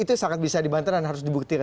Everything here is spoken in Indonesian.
itu sangat bisa dibantah dan harus dibuktikan